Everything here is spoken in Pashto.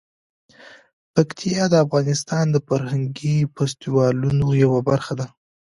پکتیا د افغانستان د فرهنګي فستیوالونو برخه ده.